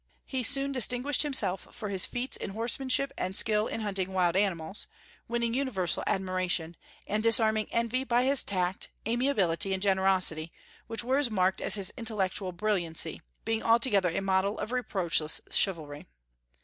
He soon distinguished himself for his feats in horsemanship and skill in hunting wild animals, winning universal admiration, and disarming envy by his tact, amiability, and generosity, which were as marked as his intellectual brilliancy, being altogether a model of reproachless chivalry.